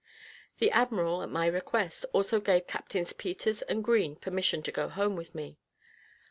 The admiral, at my request, also gave Captains Peters and Green permission to go home with me.